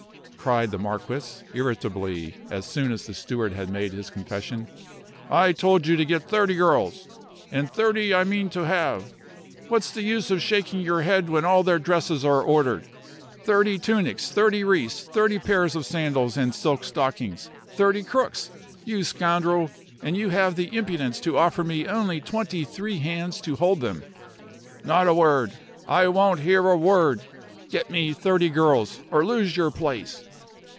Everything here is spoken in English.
cried the marquis, irritably, as soon as the steward had made his confession. "I told you to get thirty girls, and thirty I mean to have. What's the use of shaking your head when all their dresses are ordered? Thirty tunics, thirty wreaths, thirty pairs of sandals and silk stockings, thirty crooks, you scoundrel and you have the impudence to offer me only twenty three hands to hold them. Not a word! I won't hear a word! Get me my thirty girls, or lose your place."